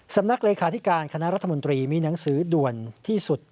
สำนักเลขาธิการคณะรัฐมนตรีมีหนังสือด่วนที่สุด